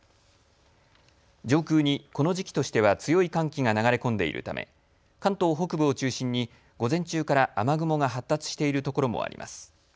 上空にこの時期としては強い寒気が流れ込んでいるため関東北部を中心に午前中から雨雲が発達しているところもあります。